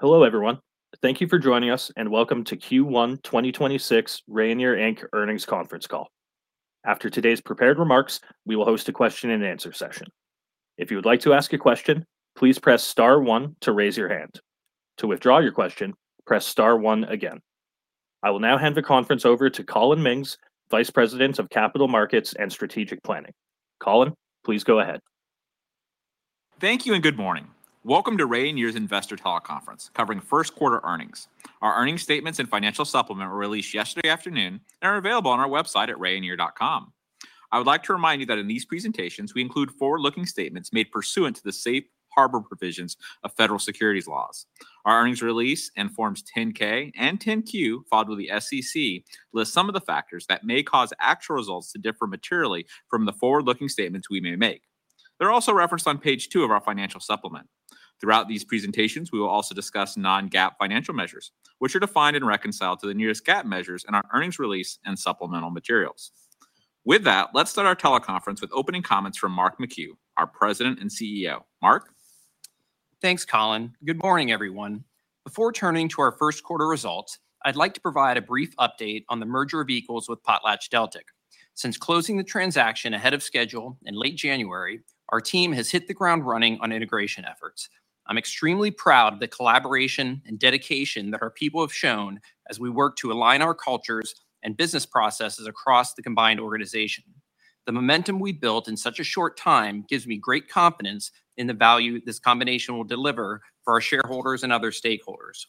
Hello, everyone. Thank you for joining us, and welcome to Q1 2026 Rayonier Inc earnings conference call. After today's prepared remarks, we will host a question and answer session. If you would like to ask a question, please press star one to raise your hand. To withdraw your question, press star one again. I will now hand the conference over to Collin Mings, Vice President of Capital Markets and Strategic Planning. Collin, please go ahead. Thank you and good morning. Welcome to Rayonier's Investor Teleconference, covering first quarter earnings. Our earnings statements and financial supplement were released yesterday afternoon and are available on our website at rayonier.com. I would like to remind you that in these presentations, we include forward-looking statements made pursuant to the safe harbor provisions of federal securities laws. Our earnings release and Forms 10-K and 10-Q filed with the SEC list some of the factors that may cause actual results to differ materially from the forward-looking statements we may make. They're also referenced on page 2 of our financial supplement. Throughout these presentations, we will also discuss non-GAAP financial measures, which are defined and reconciled to the nearest GAAP measures in our earnings release and supplemental materials. With that, let's start our teleconference with opening comments from Mark McHugh, our President and CEO. Mark? Thanks, Collin. Good morning, everyone. Before turning to our first quarter results, I'd like to provide a brief update on the merger of equals with PotlatchDeltic. Since closing the transaction ahead of schedule in late January, our team has hit the ground running on integration efforts. I'm extremely proud of the collaboration and dedication that our people have shown as we work to align our cultures and business processes across the combined organization. The momentum we've built in such a short time gives me great confidence in the value this combination will deliver for our shareholders and other stakeholders.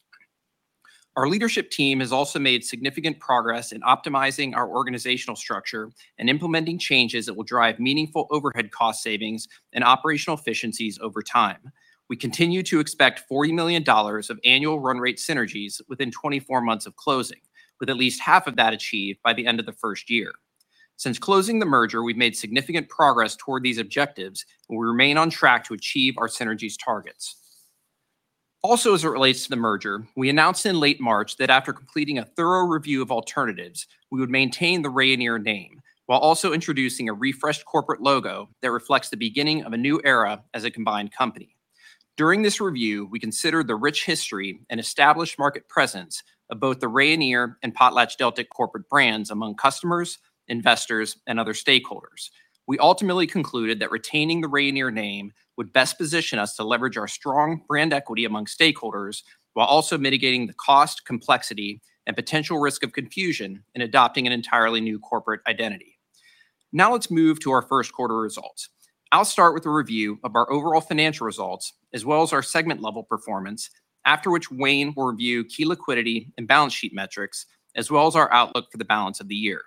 Our leadership team has also made significant progress in optimizing our organizational structure and implementing changes that will drive meaningful overhead cost savings and operational efficiencies over time. We continue to expect $40 million of annual run rate synergies within 24 months of closing, with at least half of that achieved by the end of the first year. Since closing the merger, we've made significant progress toward these objectives, and we remain on track to achieve our synergies targets. As it relates to the merger, we announced in late March that after completing a thorough review of alternatives, we would maintain the Rayonier name, while also introducing a refreshed corporate logo that reflects the beginning of a new era as a combined company. During this review, we considered the rich history and established market presence of both the Rayonier and PotlatchDeltic corporate brands among customers, investors, and other stakeholders. We ultimately concluded that retaining the Rayonier name would best position us to leverage our strong brand equity among stakeholders while also mitigating the cost, complexity, and potential risk of confusion in adopting an entirely new corporate identity. Let's move to our first quarter results. I'll start with a review of our overall financial results, as well as our segment level performance, after which Wayne will review key liquidity and balance sheet metrics, as well as our outlook for the balance of the year.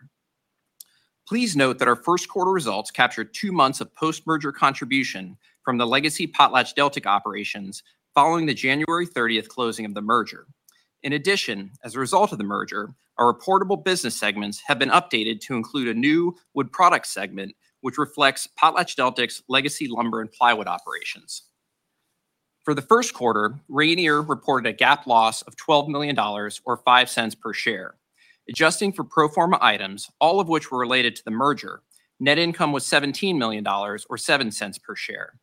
Please note that our first quarter results capture 2 months of post-merger contribution from the legacy PotlatchDeltic operations following the January 30th closing of the merger. As a result of the merger, our reportable business segments have been updated to include a new Wood Products segment, which reflects PotlatchDeltic's legacy lumber and plywood operations. For the first quarter, Rayonier reported a GAAP loss of $12 million, or $0.05 per share. Adjusting for pro forma items, all of which were related to the merger, net income was $17 million, or $0.07 per share.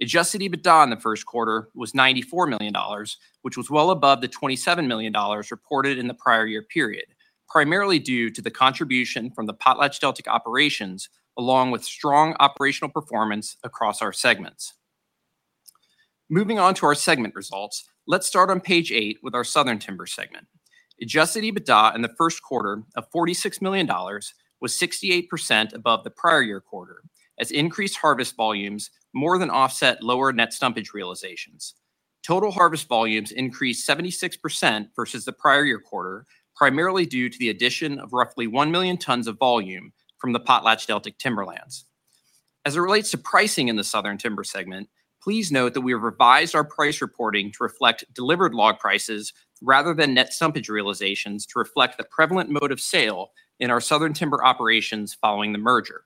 Adjusted EBITDA in the first quarter was $94 million, which was well above the $27 million reported in the prior year period, primarily due to the contribution from the PotlatchDeltic operations, along with strong operational performance across our segments. Moving on to our segment results, let's start on page 8 with our Southern Timber segment. Adjusted EBITDA in the first quarter of $46 million was 68% above the prior year quarter, as increased harvest volumes more than offset lower net stumpage realizations. Total harvest volumes increased 76% versus the prior year quarter, primarily due to the addition of roughly 1 million tons of volume from the PotlatchDeltic timberlands. As it relates to pricing in the Southern Timber segment, please note that we have revised our price reporting to reflect delivered log prices rather than net stumpage realizations to reflect the prevalent mode of sale in our Southern Timber operations following the merger.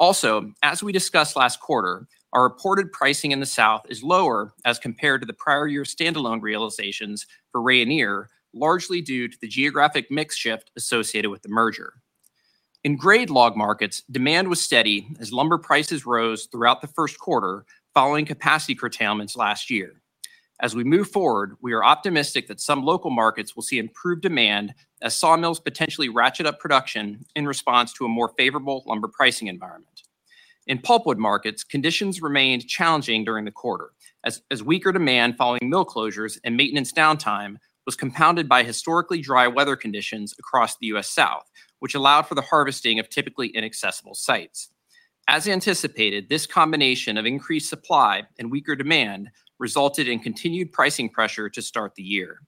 Also, as we discussed last quarter, our reported pricing in the South is lower as compared to the prior year standalone realizations for Rayonier, largely due to the geographic mix shift associated with the merger. In grade log markets, demand was steady as lumber prices rose throughout the first quarter following capacity curtailments last year. As we move forward, we are optimistic that some local markets will see improved demand as sawmills potentially ratchet up production in response to a more favorable lumber pricing environment. In pulpwood markets, conditions remained challenging during the quarter as weaker demand following mill closures and maintenance downtime was compounded by historically dry weather conditions across the U.S. South, which allowed for the harvesting of typically inaccessible sites. As anticipated, this combination of increased supply and weaker demand resulted in continued pricing pressure to start the year.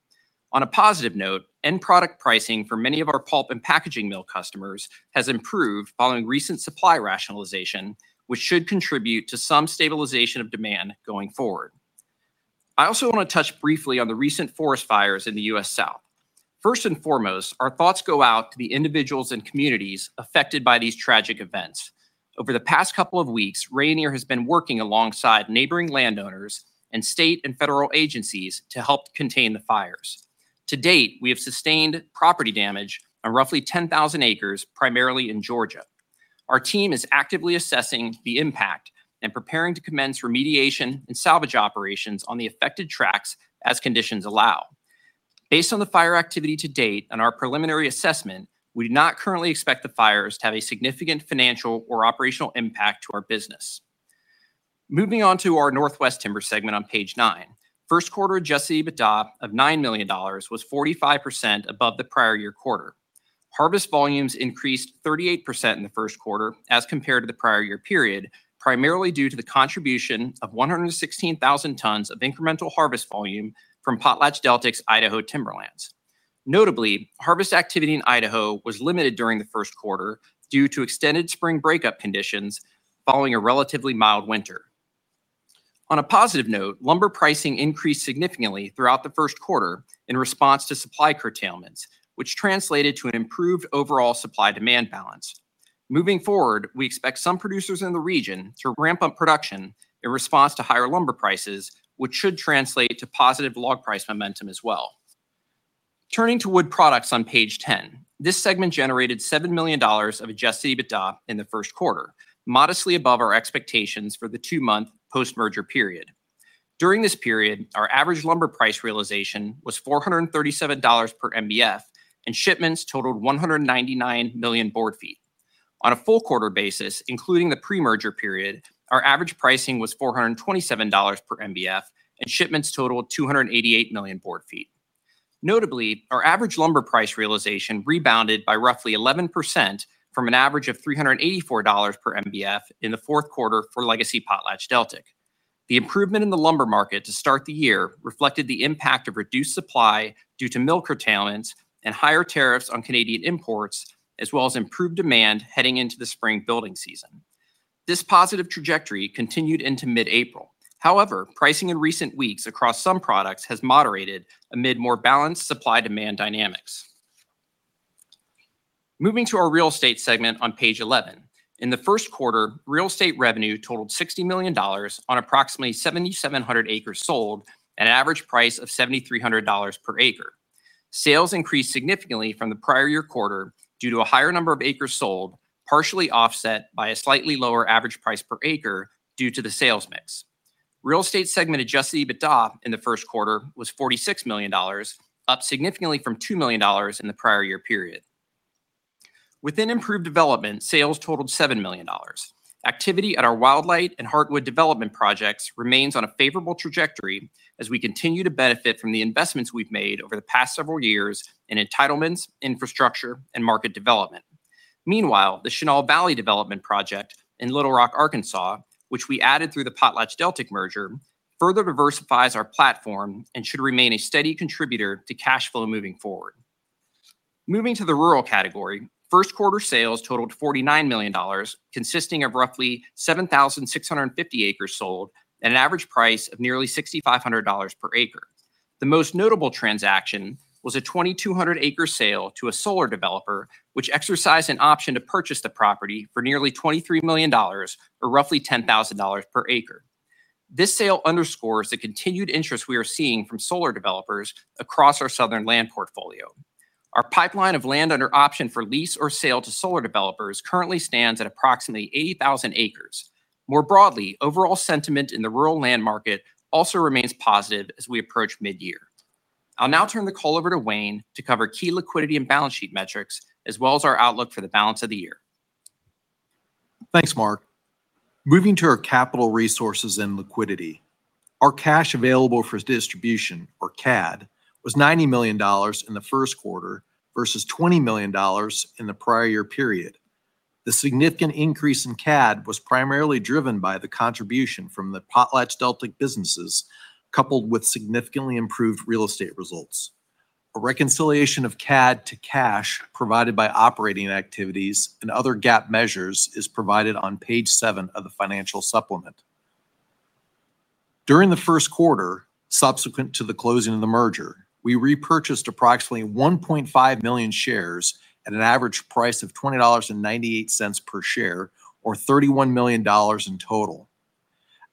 On a positive note, end product pricing for many of our pulp and packaging mill customers has improved following recent supply rationalization, which should contribute to some stabilization of demand going forward. I also wanna touch briefly on the recent forest fires in the U.S. South. First and foremost, our thoughts go out to the individuals and communities affected by these tragic events. Over the past couple of weeks, Rayonier has been working alongside neighboring landowners and state and federal agencies to help contain the fires. To date, we have sustained property damage on roughly 10,000 acres, primarily in Georgia. Our team is actively assessing the impact and preparing to commence remediation and salvage operations on the affected tracts as conditions allow. Based on the fire activity to date and our preliminary assessment, we do not currently expect the fires to have a significant financial or operational impact to our business. Moving on to our Northwest Timber segment on page nine, first quarter adjusted EBITDA of $9 million was 45% above the prior year quarter. Harvest volumes increased 38% in the first quarter as compared to the prior year period, primarily due to the contribution of 116,000 tons of incremental harvest volume from PotlatchDeltic's Idaho Timberlands. Notably, harvest activity in Idaho was limited during the first quarter due to extended spring breakup conditions following a relatively mild winter. On a positive note, lumber pricing increased significantly throughout the first quarter in response to supply curtailments, which translated to an improved overall supply-demand balance. Moving forward, we expect some producers in the region to ramp up production in response to higher lumber prices, which should translate to positive log price momentum as well. Turning to Wood Products on page 10, this segment generated $7 million of adjusted EBITDA in the first quarter, modestly above our expectations for the 2-month post-merger period. During this period, our average lumber price realization was $437 per MBF, and shipments totaled 199 million board feet. On a full quarter basis, including the pre-merger period, our average pricing was $427 per MBF, and shipments totaled 288 million board feet. Notably, our average lumber price realization rebounded by roughly 11% from an average of $384 per MBF in the fourth quarter for Legacy PotlatchDeltic. The improvement in the lumber market to start the year reflected the impact of reduced supply due to mill curtailments and higher tariffs on Canadian imports, as well as improved demand heading into the spring building season. This positive trajectory continued into mid-April. However, pricing in recent weeks across some products has moderated amid more balanced supply-demand dynamics. Moving to our Real Estate segment on page 11. In the first quarter, real estate revenue totaled $60 million on approximately 7,700 acres sold at an average price of $7,300 per acre. Sales increased significantly from the prior year quarter due to a higher number of acres sold, partially offset by a slightly lower average price per acre due to the sales mix. Real Estate segment adjusted EBITDA in the first quarter was $46 million, up significantly from $2 million in the prior year period. Within improved development, sales totaled $7 million. Activity at our Wildlight and Heartwood development projects remains on a favorable trajectory as we continue to benefit from the investments we've made over the past several years in entitlements, infrastructure, and market development. Meanwhile, the Chenal Valley development project in Little Rock, Arkansas, which we added through the PotlatchDeltic merger, further diversifies our platform and should remain a steady contributor to cash flow moving forward. Moving to the rural category, first quarter sales totaled $49 million, consisting of roughly 7,650 acres sold at an average price of nearly $6,500 per acre. The most notable transaction was a 2,200 acre sale to a solar developer, which exercised an option to purchase the property for nearly $23 million, or roughly $10,000 per acre. This sale underscores the continued interest we are seeing from solar developers across our southern land portfolio. Our pipeline of land under option for lease or sale to solar developers currently stands at approximately 80,000 acres. More broadly, overall sentiment in the rural land market also remains positive as we approach mid-year. I'll now turn the call over to Wayne to cover key liquidity and balance sheet metrics, as well as our outlook for the balance of the year. Thanks, Mark. Moving to our capital resources and liquidity, our cash available for distribution, or CAD, was $90 million in the first quarter versus $20 million in the prior year period. The significant increase in CAD was primarily driven by the contribution from the PotlatchDeltic businesses, coupled with significantly improved Real Estate results. A reconciliation of CAD to cash provided by operating activities and other GAAP measures is provided on page 7 of the financial supplement. During the first quarter, subsequent to the closing of the merger, we repurchased approximately 1.5 million shares at an average price of $20.98 per share, or $31 million in total.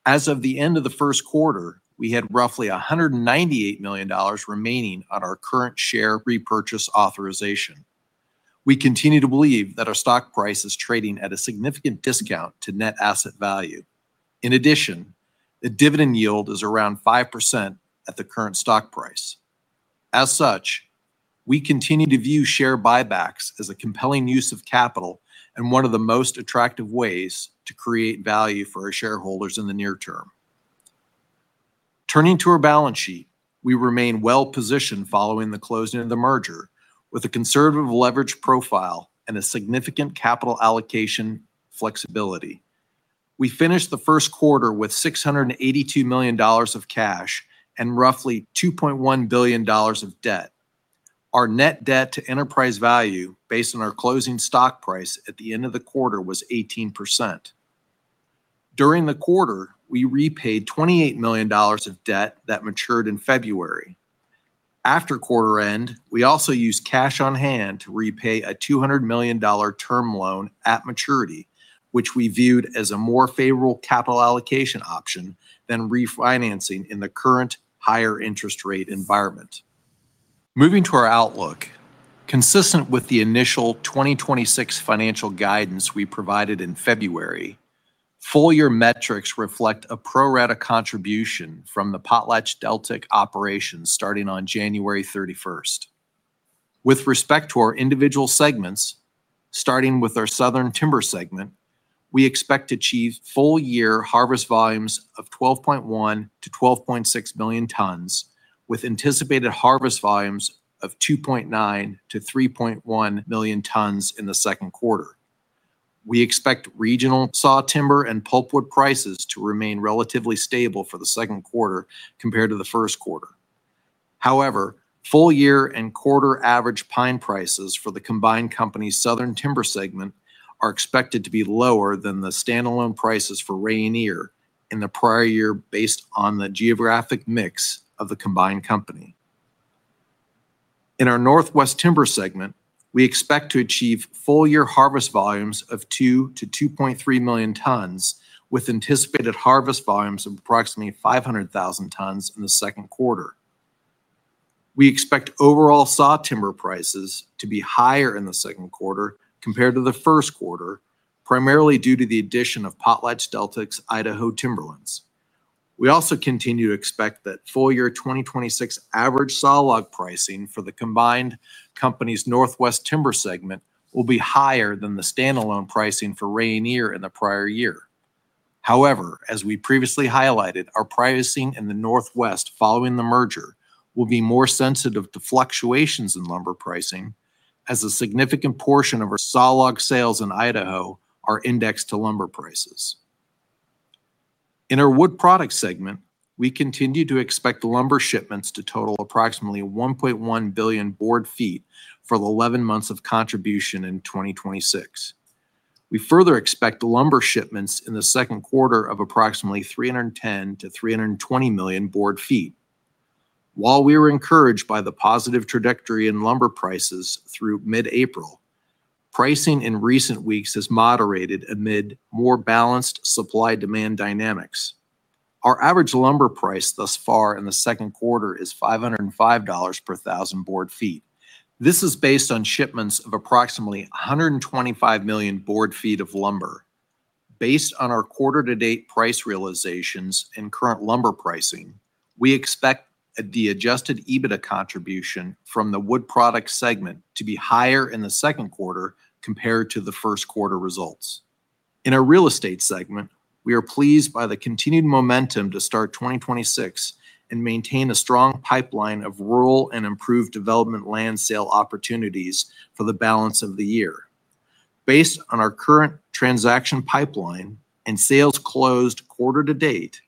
As of the end of the first quarter, we had roughly $198 million remaining on our current share repurchase authorization. We continue to believe that our stock price is trading at a significant discount to net asset value. In addition, the dividend yield is around 5% at the current stock price. As such, we continue to view share buybacks as a compelling use of capital and one of the most attractive ways to create value for our shareholders in the near term. Turning to our balance sheet, we remain well-positioned following the closing of the merger with a conservative leverage profile and a significant capital allocation flexibility. We finished the first quarter with $682 million of cash and roughly $2.1 billion of debt. Our net debt to enterprise value based on our closing stock price at the end of the quarter was 18%. During the quarter, we repaid $28 million of debt that matured in February. After quarter end, we also used cash on hand to repay a $200 million term loan at maturity, which we viewed as a more favorable capital allocation option than refinancing in the current higher interest rate environment. Moving to our outlook, consistent with the initial 2026 financial guidance we provided in February, full year metrics reflect a pro rata contribution from the PotlatchDeltic operations starting on January 31st. With respect to our individual segments, starting with our Southern Timber segment, we expect to achieve full year harvest volumes of 12.1 million-12.6 million tons, with anticipated harvest volumes of 2.9 million-3.1 million tons in the second quarter. We expect regional sawtimber and pulpwood prices to remain relatively stable for the second quarter compared to the first quarter. However, full year and quarter average pine prices for the combined company's Southern Timber segment are expected to be lower than the standalone prices for Rayonier in the prior year, based on the geographic mix of the combined company. In our Northwest Timber segment, we expect to achieve full year harvest volumes of 2 million-2.3 million tons, with anticipated harvest volumes of approximately 500,000 tons in the second quarter. We expect overall sawtimber prices to be higher in the second quarter compared to the first quarter, primarily due to the addition of PotlatchDeltic's Idaho timberlands. We also continue to expect that full year 2026 average sawlog pricing for the combined company's Northwest Timber segment will be higher than the standalone pricing for Rayonier in the prior year. However, as we previously highlighted, our pricing in the Northwest following the merger will be more sensitive to fluctuations in lumber pricing as a significant portion of our sawlog sales in Idaho are indexed to lumber prices. In our Wood Products segment, we continue to expect lumber shipments to total approximately 1.1 billion board feet for the 11 months of contribution in 2026. We further expect lumber shipments in the second quarter of approximately 310 million-320 million board feet. While we were encouraged by the positive trajectory in lumber prices through mid-April, pricing in recent weeks has moderated amid more balanced supply-demand dynamics. Our average lumber price thus far in the second quarter is $505 per thousand board feet. This is based on shipments of approximately 125 million board feet of lumber. Based on our quarter-to-date price realizations and current lumber pricing, we expect the adjusted EBITDA contribution from the Wood Products segment to be higher in the second quarter compared to the first quarter results. In our Real Estate segment, we are pleased by the continued momentum to start 2026 and maintain a strong pipeline of rural and improved development land sale opportunities for the balance of the year. Based on our current transaction pipeline and sales closed quarter-to-date,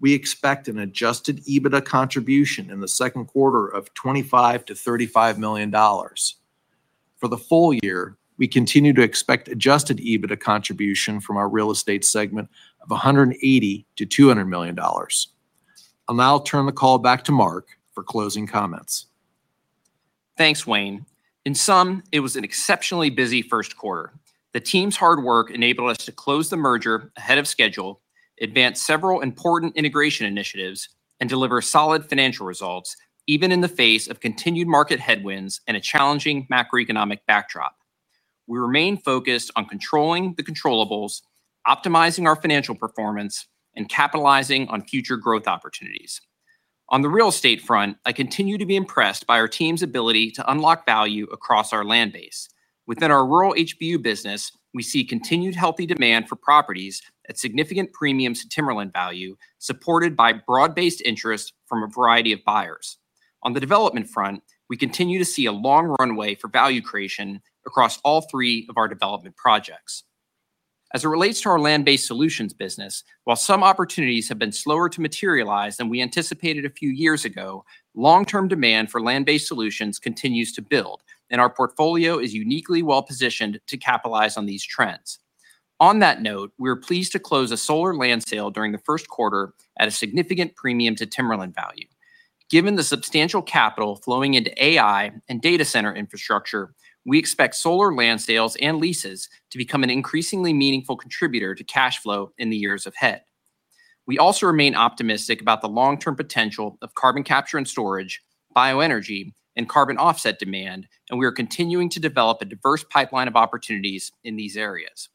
we expect an adjusted EBITDA contribution in the second quarter of $25 million-$35 million. For the full year, we continue to expect adjusted EBITDA contribution from our Real Estate segment of $180 million-$200 million. I'll now turn the call back to Mark for closing comments. Thanks, Wayne. In sum, it was an exceptionally busy first quarter. The team's hard work enabled us to close the merger ahead of schedule, advance several important integration initiatives, and deliver solid financial results, even in the face of continued market headwinds and a challenging macroeconomic backdrop. We remain focused on controlling the controllables, optimizing our financial performance, and capitalizing on future growth opportunities. On the Real Estate front, I continue to be impressed by our team's ability to unlock value across our land base. Within our rural HBU business, we see continued healthy demand for properties at significant premiums to timberland value, supported by broad-based interest from a variety of buyers. On the development front, we continue to see a long runway for value creation across all three of our development projects. As it relates to our land-based solutions business, while some opportunities have been slower to materialize than we anticipated a few years ago, long-term demand for land-based solutions continues to build, and our portfolio is uniquely well-positioned to capitalize on these trends. On that note, we are pleased to close a solar land sale during the first quarter at a significant premium to timberland value. Given the substantial capital flowing into AI and data center infrastructure, we expect solar land sales and leases to become an increasingly meaningful contributor to cash flow in the years ahead. We also remain optimistic about the long-term potential of carbon capture and storage, bioenergy, and carbon offset demand, and we are continuing to develop a diverse pipeline of opportunities in these areas.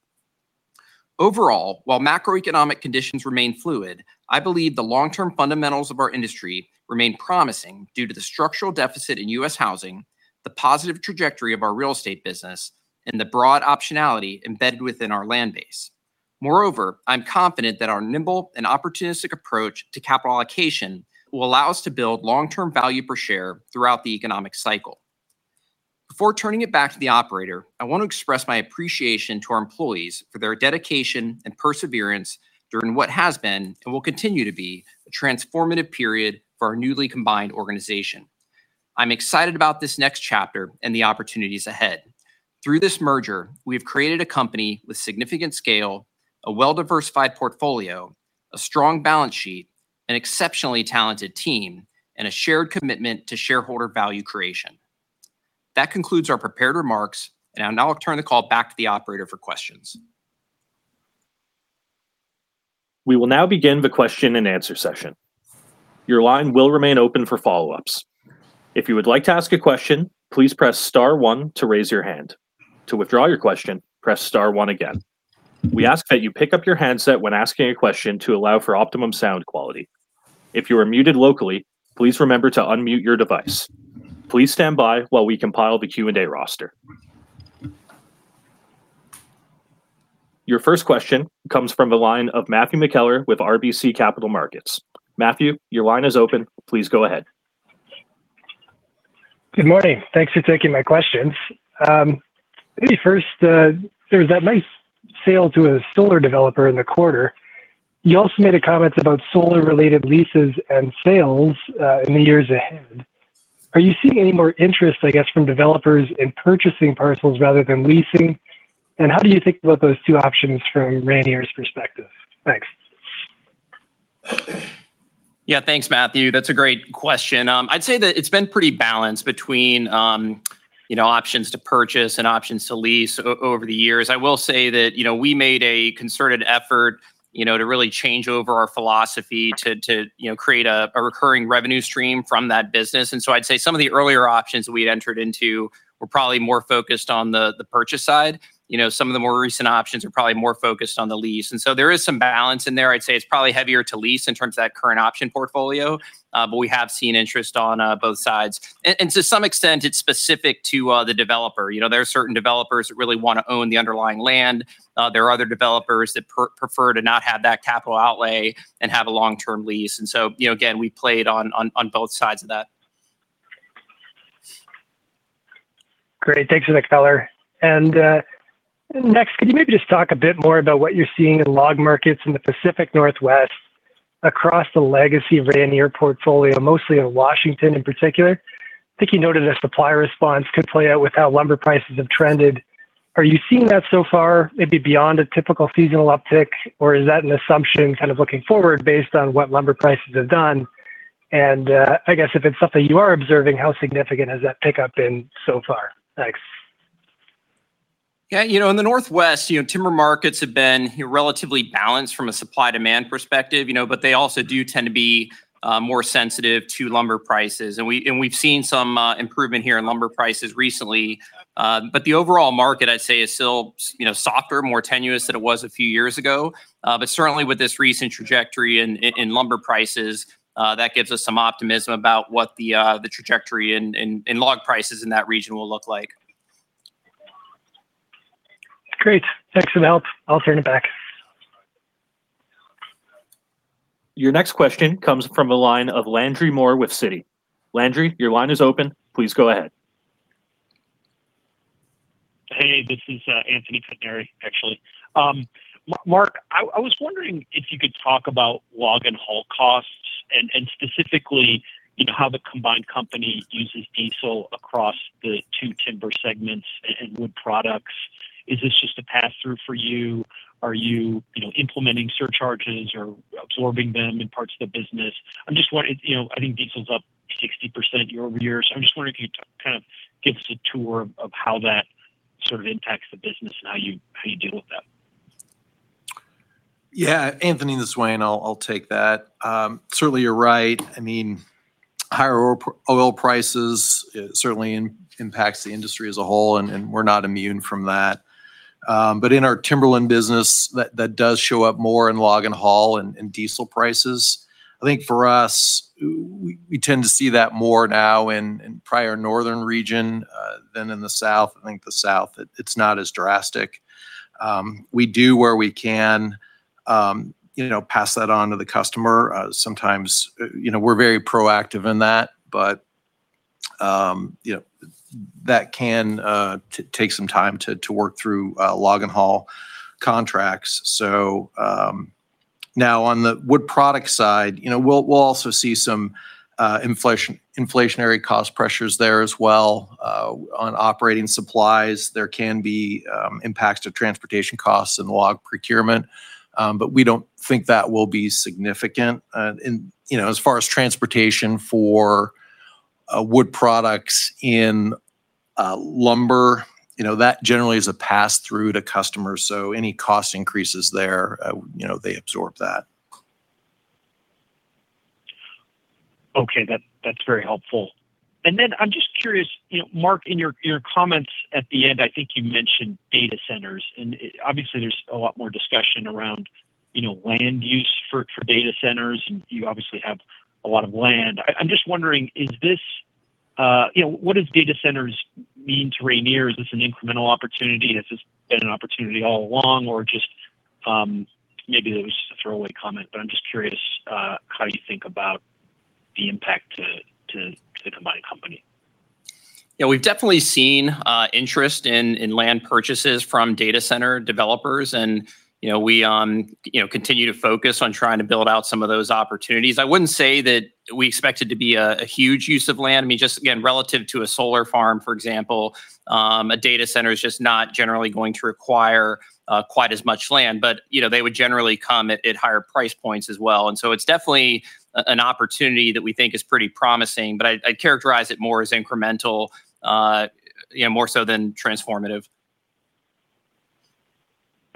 Overall, while macroeconomic conditions remain fluid, I believe the long-term fundamentals of our industry remain promising due to the structural deficit in U.S. housing, the positive trajectory of our Real Estate business, and the broad optionality embedded within our land base. Moreover, I'm confident that our nimble and opportunistic approach to capital allocation will allow us to build long-term value per share throughout the economic cycle. Before turning it back to the operator, I want to express my appreciation to our employees for their dedication and perseverance during what has been and will continue to be a transformative period for our newly combined organization. I'm excited about this next chapter and the opportunities ahead. Through this merger, we have created a company with significant scale, a well-diversified portfolio, a strong balance sheet, an exceptionally talented team, and a shared commitment to shareholder value creation. That concludes our prepared remarks, and I'll now turn the call back to the operator for questions. We will now begin the Q&A session. Your line will remain open for follow ups. If you would like to ask a question please press star one to raise your hand. To withdraw your question, please press star one again. We ask that you pick up you handset when asking a question to allow for optimal sound quality. If you are muted locally, please remember to unmute your device. Please stand by while we compile the Q&A roster. Your first question comes from the line of Matthew McKellar with RBC Capital Markets. Matthew, your line is open. Please go ahead. Good morning. Thanks for taking my questions. Maybe first, there's that nice sale to a solar developer in the quarter. You also made a comment about solar-related leases and sales, in the years ahead. Are you seeing any more interest, I guess, from developers in purchasing parcels rather than leasing? How do you think about those two options from Rayonier's perspective? Thanks. Yeah. Thanks, Matthew. That's a great question. I'd say that it's been pretty balanced between, you know, options to purchase and options to lease over the years. I will say that, you know, we made a concerted effort, you know, to really change over our philosophy to create a recurring revenue stream from that business. I'd say some of the earlier options that we entered into were probably more focused on the purchase side. You know, some of the more recent options are probably more focused on the lease. There is some balance in there. I'd say it's probably heavier to lease in terms of that current option portfolio, but we have seen interest on both sides. And to some extent, it's specific to the developer. You know, there are certain developers that really wanna own the underlying land. There are other developers that prefer to not have that capital outlay and have a long-term lease. You know, again, we played on both sides of that. Great. Thanks for the color. Next, could you maybe just talk a bit more about what you're seeing in log markets in the Pacific Northwest across the legacy Rayonier portfolio, mostly in Washington in particular? I think you noted a supplier response could play out with how lumber prices have trended. Are you seeing that so far, maybe beyond a typical seasonal uptick, or is that an assumption kind of looking forward based on what lumber prices have done? I guess if it's something you are observing, how significant has that pickup been so far? Thanks. Yeah. You know, in the Northwest, you know, timber markets have been relatively balanced from a supply-demand perspective, you know, but they also do tend to be more sensitive to lumber prices. We've seen some improvement here in lumber prices recently. The overall market, I'd say, is still softer, more tenuous than it was a few years ago. Certainly with this recent trajectory in lumber prices, that gives us some optimism about what the trajectory in log prices in that region will look like. Great. Thanks for the help. I'll turn it back. Your next question comes from the line of Landry Moore with Citigroup. Landry, your line is open. Please go ahead. Hey, this is Anthony Pettinari, actually. Mark, I was wondering if you could talk about log and haul costs and specifically, you know, how the combined company uses diesel across the two timber segments and Wood Products. Is this just a pass-through for you? Are you know, implementing surcharges or absorbing them in parts of the business? I'm just wondering. You know, I think diesel's up 60% year-over-year, so I'm just wondering if you'd kind of give us a tour of how that sort of impacts the business and how you deal with that. Yeah. Anthony, this is Wayne. I'll take that. Certainly you're right. I mean, higher oil prices certainly impacts the industry as a whole, and we're not immune from that. In our timberland business, that does show up more in log and haul and diesel prices. I think for us, we tend to see that more now in prior northern region than in the South. I think the South, it's not as drastic. We do where we can, you know, pass that on to the customer. Sometimes, you know, we're very proactive in that, you know, that can take some time to work through log and haul contracts. Now on the Wood Products side, you know, we'll also see some inflationary cost pressures there as well on operating supplies. There can be impacts to transportation costs and log procurement, we don't think that will be significant. As far as transportation for Wood Products in lumber, you know, that generally is a pass-through to customers, any cost increases there, you know, they absorb that. Okay. That's very helpful. I'm just curious, you know, Mark, in your comments at the end, I think you mentioned data centers, and obviously there's a lot more discussion around, you know, land use for data centers, and you obviously have a lot of land. I'm just wondering, is this, you know, what does data centers mean to Rayonier? Is this an incremental opportunity? Has this been an opportunity all along? Or just, maybe that was just a throwaway comment, but I'm just curious how you think about the impact to the combined company. We've definitely seen interest in land purchases from data center developers and, you know, we continue to focus on trying to build out some of those opportunities. I wouldn't say that we expect it to be a huge use of land. I mean, just again, relative to a solar farm, for example, a data center is just not generally going to require quite as much land, but, you know, they would generally come at higher price points as well. It's definitely an opportunity that we think is pretty promising, but I'd characterize it more as incremental, you know, more so than transformative.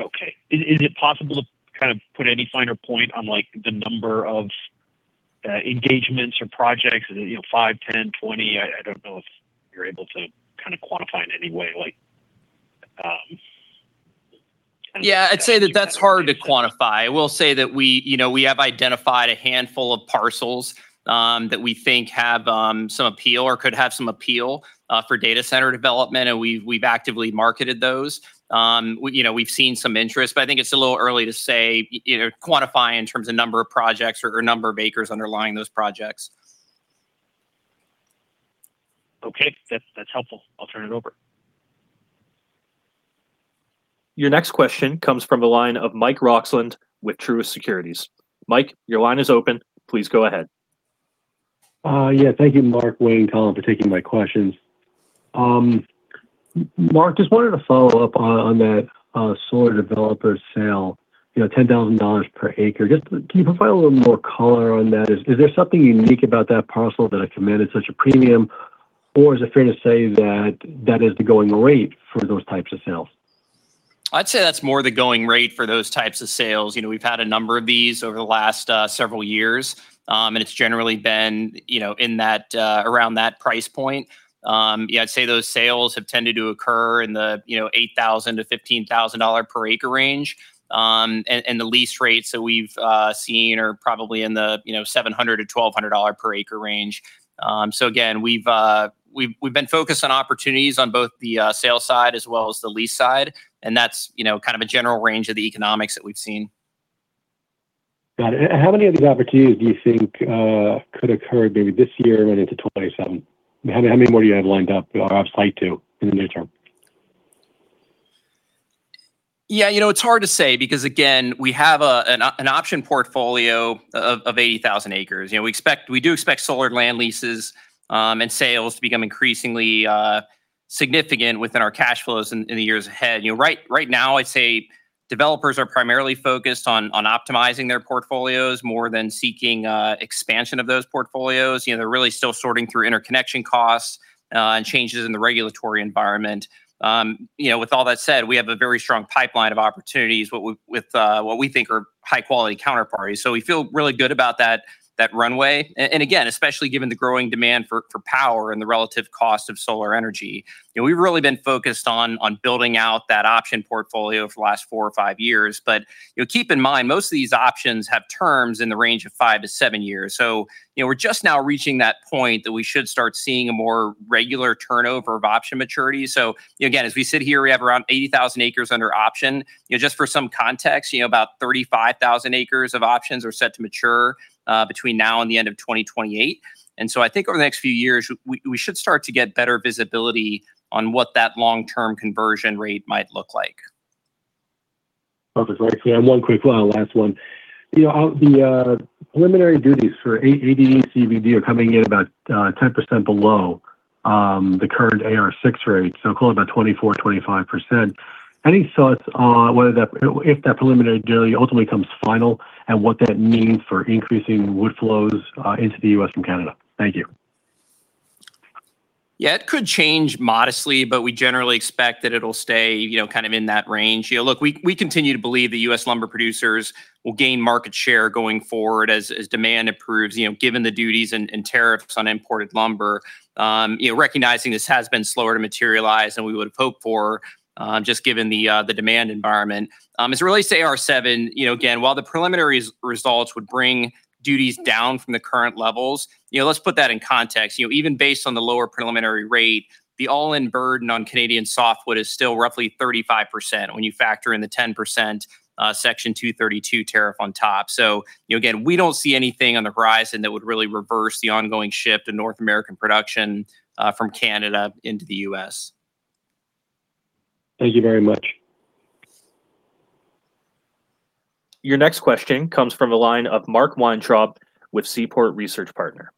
Okay. Is it possible to kind of put any finer point on, like, the number of engagements or projects? You know, five, 10, 20. I don't know if you're able to kind of quantify in any way. Like. I'd say that that's hard to quantify. I will say that we, you know, we have identified a handful of parcels that we think have some appeal or could have some appeal for data center development, and we've actively marketed those. We, you know, we've seen some interest, I think it's a little early to say, you know, quantify in terms of number of projects or number of acres underlying those projects. Okay. That's helpful. I'll turn it over. Your next question comes from the line of Michael Roxland with Truist Securities. Michael, your line is open. Please go ahead. Yeah. Thank you Mark, Wayne, Collin, for taking my questions. Mark, just wanted to follow up on that solar developer sale. You know, $10,000 per acre. Just can you provide a little more color on that? Is there something unique about that parcel that it commanded such a premium, or is it fair to say that that is the going rate for those types of sales? I'd say that's more the going rate for those types of sales. You know, we've had a number of these over the last several years. It's generally been, you know, in that around that price point. Yeah, I'd say those sales have tended to occur in the, you know, $8,000-$15,000 per acre range. The lease rates that we've seen are probably in the, you know, $700-$1,200 per acre range. Again, we've been focused on opportunities on both the sales side as well as the lease side, that's, you know, kind of a general range of the economics that we've seen. Got it. How many of these opportunities do you think could occur maybe this year and into 2027? How many more do you have lined up or sight to in the near term? Yeah, you know, it's hard to say because, again, we have an option portfolio of 80,000 acres. You know, we do expect solar land leases and sales to become increasingly significant within our cash flows in the years ahead. You know, right now I'd say developers are primarily focused on optimizing their portfolios more than seeking expansion of those portfolios. You know, they're really still sorting through interconnection costs and changes in the regulatory environment. You know, with all that said, we have a very strong pipeline of opportunities with what we think are high quality counterparties. We feel really good about that runway and again, especially given the growing demand for power and the relative cost of solar energy. You know, we've really been focused on building out that option portfolio for the last four or five years. You know, keep in mind, most of these options have terms in the range of five to seven years. You know, we're just now reaching that point that we should start seeing a more regular turnover of option maturity. You know, again, as we sit here, we have around 80,000 acres under option. You know, just for some context, you know, about 35,000 acres of options are set to mature between now and the end of 2028. I think over the next few years we should start to get better visibility on what that long-term conversion rate might look like. Okay. Great. Yeah, one quick, last one. You know, the preliminary duties for AD/CVD are coming in about 10% below the current AR 6 rate, call it about 24%-25%. Any thoughts on whether that, if that preliminary duty ultimately comes final and what that means for increasing wood flows into the U.S. from Canada? Thank you. It could change modestly, but we generally expect that it'll stay, you know, kind of in that range. You know, look, we continue to believe the U.S. lumber producers will gain market share going forward as demand improves, you know, given the duties and tariffs on imported lumber. You know, recognizing this has been slower to materialize than we would've hoped for, just given the demand environment. It's really AR 7. You know, again, while the preliminary results would bring duties down from the current levels, you know, let's put that in context. You know, even based on the lower preliminary rate, the all-in burden on Canadian softwood is still roughly 35% when you factor in the 10% Section 232 tariff on top. You know, again, we don't see anything on the horizon that would really reverse the ongoing shift in North American production from Canada into the U.S. Thank you very much. Your next question comes from the line of Mark Weintraub with Seaport Research Partners.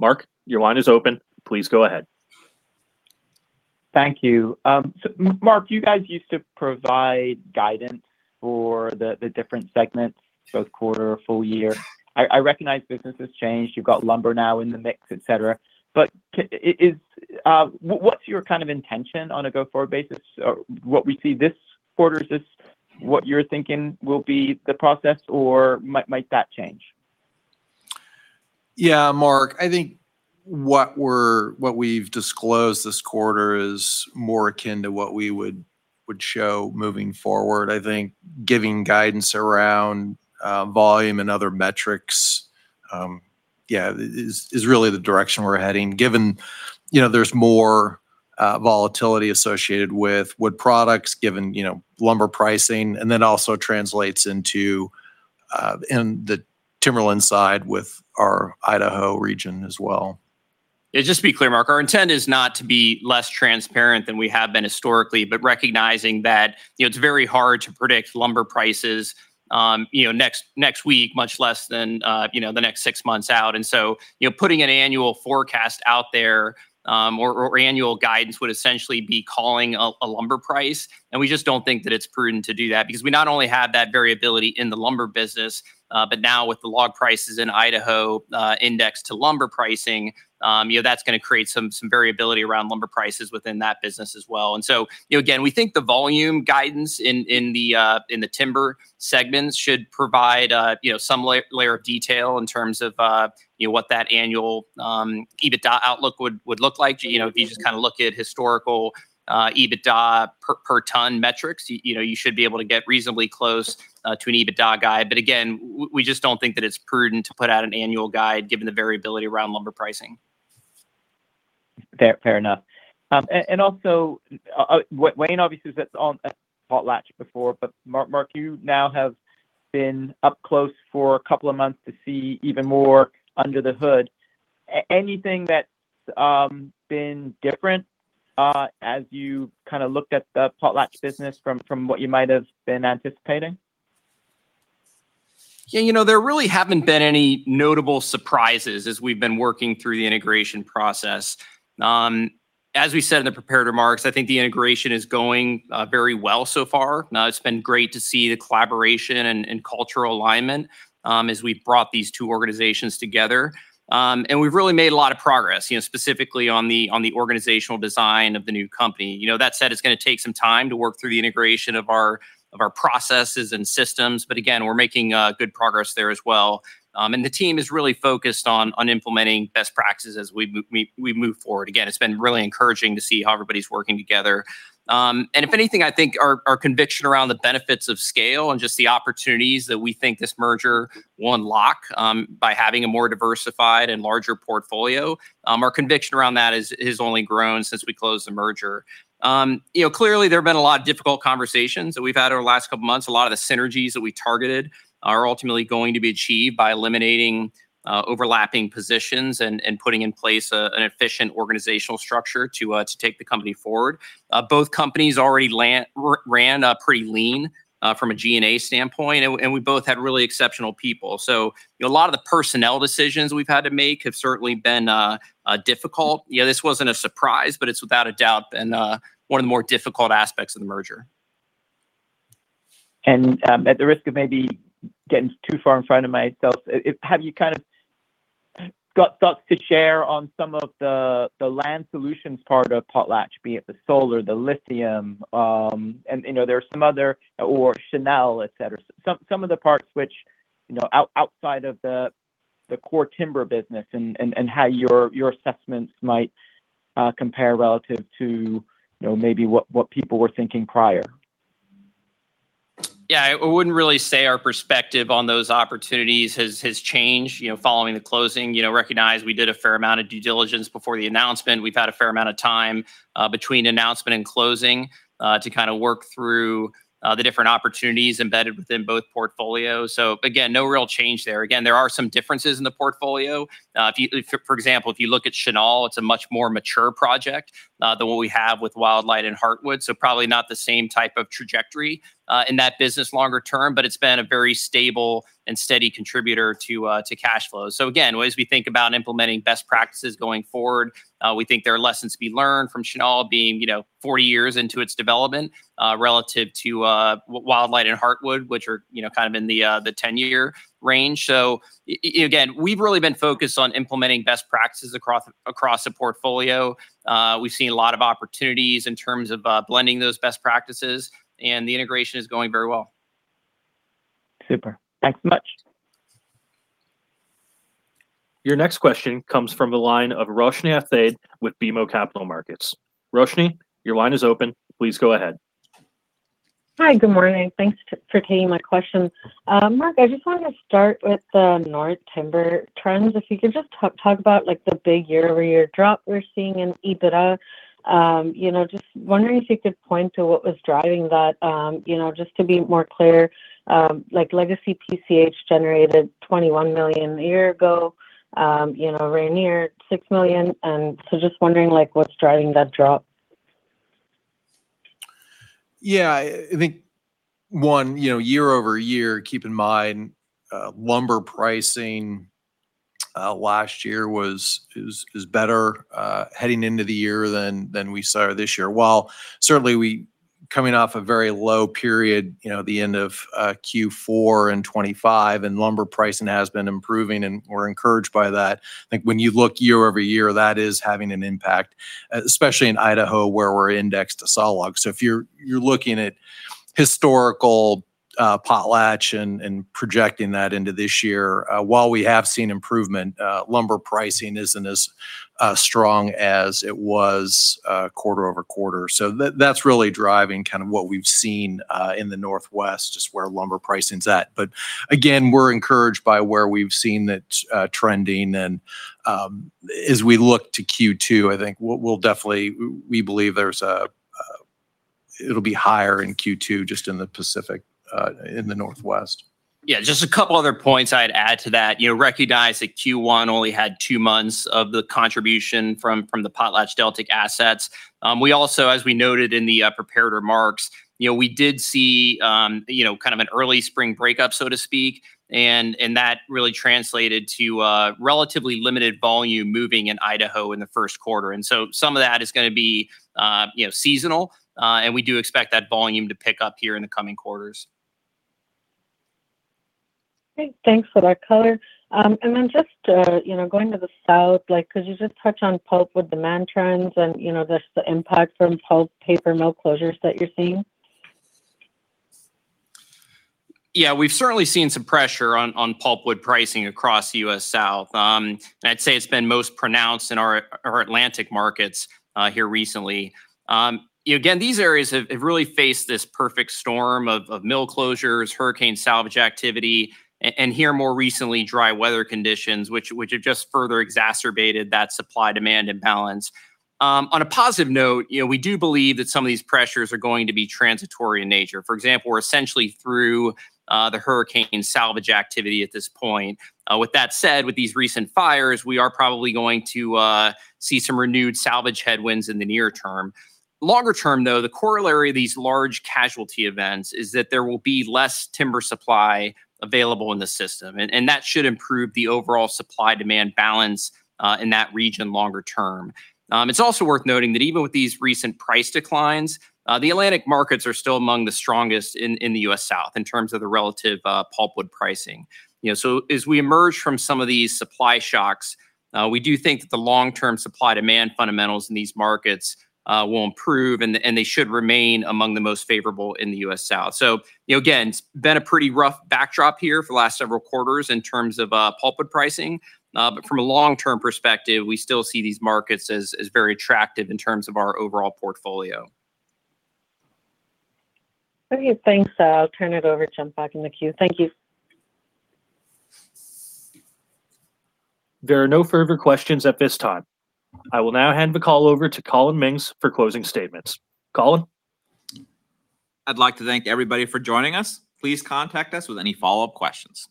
Mark, your line is open. Please go ahead. Thank you. Mark, you guys used to provide guidance for the different segments, both quarter or full year. I recognize business has changed. You've got lumber now in the mix, et cetera, what's your kind of intention on a go-forward basis? What we see this quarter, is this what you're thinking will be the process or might that change? Yeah, Mark. I think what we've disclosed this quarter is more akin to what we would show moving forward. I think giving guidance around volume and other metrics, yeah, is really the direction we're heading given, you know, there's more volatility associated with Wood Products given, you know, lumber pricing and then also translates into in the timberland side with our Idaho region as well. Yeah, just to be clear, Mark, our intent is not to be less transparent than we have been historically, but recognizing that, you know, it's very hard to predict lumber prices, you know, next week, much less than, you know, the next six months out. You know, putting an annual forecast out there, or annual guidance would essentially be calling a lumber price, and we just don't think that it's prudent to do that because we not only have that variability in the lumber business, but now with the log prices in Idaho, indexed to lumber pricing, you know, that's gonna create some variability around lumber prices within that business as well. You know, again, we think the volume guidance in the timber segments should provide, you know, some layer of detail in terms of, you know, what that annual EBITDA outlook would look like. You know, if you just kind of look at historical EBITDA per ton metrics, you know, you should be able to get reasonably close to an EBITDA guide. Again, we just don't think that it's prudent to put out an annual guide given the variability around lumber pricing. Fair, fair enough. Also, Wayne obviously sits on Potlatch before, but Mark, you now have been up close for a couple of months to see even more under the hood. Anything that, been different, as you kind of looked at the Potlatch business from what you might have been anticipating? Yeah, you know, there really haven't been any notable surprises as we've been working through the integration process. As we said in the prepared remarks, I think the integration is going very well so far. Now, it's been great to see the collaboration and cultural alignment as we brought these two organizations together. We've really made a lot of progress, you know, specifically on the organizational design of the new company. You know, that said, it's gonna take some time to work through the integration of our processes and systems, again, we're making good progress there as well. The team is really focused on implementing best practices as we move forward. Again, it's been really encouraging to see how everybody's working together. If anything, I think our conviction around the benefits of scale and just the opportunities that we think this merger will unlock, by having a more diversified and larger portfolio, our conviction around that has only grown since we closed the merger. You know, clearly there have been a lot of difficult conversations that we've had over the last couple of months. A lot of the synergies that we targeted are ultimately going to be achieved by eliminating overlapping positions and putting in place an efficient organizational structure to take the company forward. Both companies already ran pretty lean from a G&A standpoint and we both had really exceptional people. You know, a lot of the personnel decisions we've had to make have certainly been difficult. You know, this wasn't a surprise, but it's without a doubt been one of the more difficult aspects of the merger. At the risk of maybe getting too far in front of myself, have you kind of got thoughts to share on some of the land solutions part of Potlatch, be it the solar, the lithium, and you know, there are some other or Chenal, et cetera. Some of the parts which, you know, outside of the core timber business and how your assessments might compare relative to, you know, maybe what people were thinking prior. Yeah. I wouldn't really say our perspective on those opportunities has changed, you know, following the closing. You know, recognize we did a fair amount of due diligence before the announcement. We've had a fair amount of time between announcement and closing to kind of work through the different opportunities embedded within both portfolios. Again, no real change there. Again, there are some differences in the portfolio. For example, if you look at Chenal, it's a much more mature project than what we have with Wildlight and Heartwood, probably not the same type of trajectory in that business longer term, but it's been a very stable and steady contributor to cash flows. Again, as we think about implementing best practices going forward, we think there are lessons to be learned from Chenal being, you know, 40 years into its development, relative to Wildlight and Heartwood, which are, you know, kind of in the 10-year range. Again, we've really been focused on implementing best practices across the portfolio. We've seen a lot of opportunities in terms of blending those best practices, and the integration is going very well. Super. Thanks so much. Your next question comes from the line of Roshni Athaide with BMO Capital Markets. Roshni, your line is open. Please go ahead. Hi. Good morning. Thanks for taking my question. Mark, I just wanted to start with the North Timber trends. If you could just talk about like the big year-over-year drop we're seeing in EBITDA. You know, just wondering if you could point to what was driving that, you know, just to be more clear. Like legacy PCH generated $21 million a year ago, you know, Rayonier, $6 million. Just wondering like what's driving that drop. Yeah. I think one, you know, year-over-year, keep in mind, lumber pricing last year was better heading into the year than we saw this year. While certainly we're coming off a very low period, you know, the end of Q4 and 2025, lumber pricing has been improving, and we're encouraged by that. I think when you look year-over-year, that is having an impact, especially in Idaho, where we're indexed to sawlog. If you're looking at historical PotlatchDeltic and projecting that into this year, while we have seen improvement, lumber pricing isn't as strong as it was quarter-over-quarter. That's really driving kind of what we've seen in the Pacific Northwest Timber, just where lumber pricing's at. Again, we're encouraged by where we've seen it trending. As we look to Q2, We believe It'll be higher in Q2 just in the Pacific Northwest. Yeah. Just a couple other points I'd add to that. You know, recognize that Q1 only had 2 months of the contribution from the PotlatchDeltic assets. We also, as we noted in the prepared remarks, you know, we did see, you know, kind of an early spring breakup, so to speak, and that really translated to relatively limited volume moving in Idaho in the first quarter. Some of that is gonna be, you know, seasonal, and we do expect that volume to pick up here in the coming quarters. Great. Thanks for that color. Just, you know, going to the South, like could you just touch on pulpwood demand trends and, you know, the impact from pulp paper mill closures that you're seeing? Yeah. We've certainly seen some pressure on pulpwood pricing across the U.S. South. I'd say it's been most pronounced in our Atlantic markets here recently. You know, again, these areas have really faced this perfect storm of mill closures, hurricane salvage activity, and here more recently, dry weather conditions, which have just further exacerbated that supply-demand imbalance. On a positive note, you know, we do believe that some of these pressures are going to be transitory in nature. For example, we're essentially through the hurricane salvage activity at this point. With that said, with these recent fires, we are probably going to see some renewed salvage headwinds in the near term. Longer term though, the corollary of these large casualty events is that there will be less timber supply available in the system, and that should improve the overall supply-demand balance in that region longer term. It's also worth noting that even with these recent price declines, the Atlantic markets are still among the strongest in the U.S. South in terms of the relative pulpwood pricing. You know, as we emerge from some of these supply shocks, we do think that the long-term supply-demand fundamentals in these markets will improve and they should remain among the most favorable in the U.S. South. You know, again, it's been a pretty rough backdrop here for the last several quarters in terms of pulpwood pricing. From a long-term perspective, we still see these markets as very attractive in terms of our overall portfolio. Okay. Thanks. I'll turn it over, jump back in the queue. Thank you. There are no further questions at this time. I will now hand the call over to Collin Mings for closing statements. Collin? I'd like to thank everybody for joining us. Please contact us with any follow-up questions.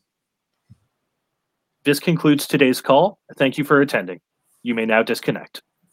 This concludes today's call. Thank you for attending. You may now disconnect.